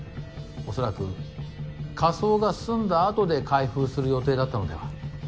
おそらく火葬が済んだ後で開封する予定だったのでは？